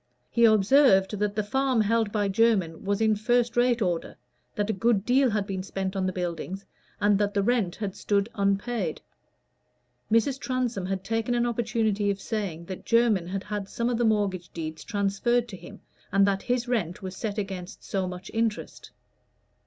He observed that the farm held by Jermyn was in first rate order, that a good deal had been spent on the buildings, and that the rent had stood unpaid. Mrs. Transome had taken an opportunity of saying that Jermyn had had some of the mortgage deeds transferred to him, and that his rent was set against so much interest.